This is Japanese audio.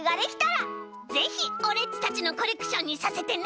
ぜひオレっちたちのコレクションにさせてね！